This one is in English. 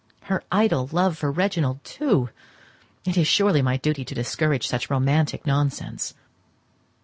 Her idle love for Reginald, too! It is surely my duty to discourage such romantic nonsense.